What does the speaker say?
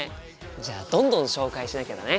じゃあどんどん紹介しなきゃだね。